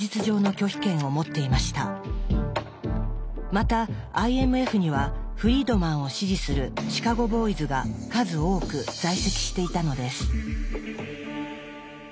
またＩＭＦにはフリードマンを支持するシカゴ・ボーイズが数多く在籍していたのです。